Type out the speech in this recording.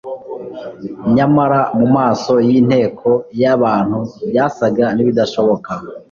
Nyamara mu maso y'inteko y'abantu byasaga n'ibidashoboka